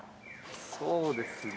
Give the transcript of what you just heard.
そうですね